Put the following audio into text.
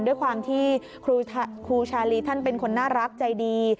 ด้วยความที่ครูชาลีท่านเป็นคนน่ารักใจดี